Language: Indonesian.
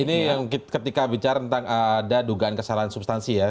ini yang ketika bicara tentang ada dugaan kesalahan substansi ya